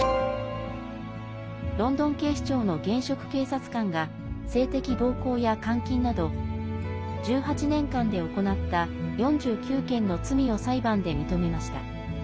ロンドン警視庁の現職警察官が性的暴行や監禁など１８年間で行った４９件の罪を裁判で認めました。